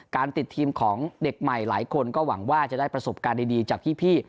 ติดทีมของเด็กใหม่หลายคนก็หวังว่าจะได้ประสบการณ์ดีจากพี่